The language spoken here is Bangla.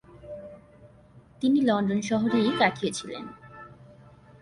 তিনি লন্ডন শহরেই কাটিয়েছিলেন।